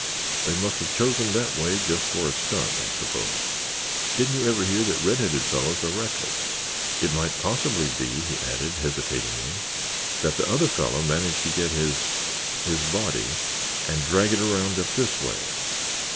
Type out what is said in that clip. They must have chosen that way just for a stunt, I suppose. Didn't you ever hear that red headed fellows are reckless? It might possibly be," he added, hesitatingly, "that the other fellow managed to get his—his body and drag it around up this way.